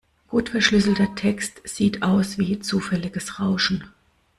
Gut verschlüsselter Text sieht aus wie zufälliges Rauschen.